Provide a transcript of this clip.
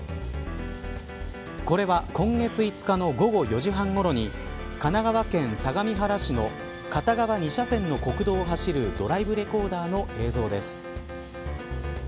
これは今月５日の午後４時半ごろに神奈川県相模原市の片側２車線の国道を走るドライブレコーダーの映像です。